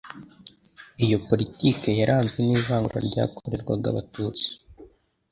iyo politiki yaranzwe n'ivangura ryakorerwaga Abatutsi